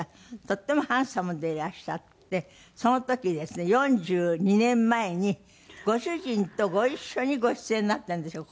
とってもハンサムでいらっしゃってその時ですね４２年前にご主人とご一緒にご出演になったんですよ